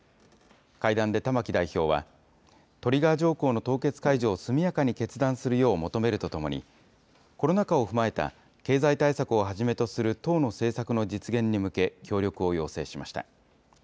会談で玉木代表は、トリガー条項の凍結解除を速やかに決断するよう求めるとともに、コロナ禍を踏まえた、経済対策をはじめとする党の政策の実現に向け、協力を要請しました。